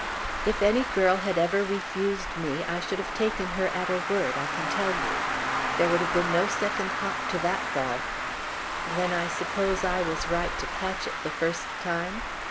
"If any girl had ever refused me, I should have taken her at her word, I can tell you. There would have been no second 'hop' to that ball." "Then I suppose I was right to catch it the first time?"